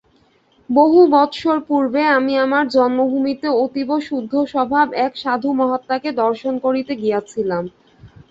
বহু বৎসর পূর্বে আমি আমার জন্মভূমিতে অতীব শুদ্ধস্বভাব এক সাধু মহাত্মাকে দর্শন করিতে গিয়াছিলাম।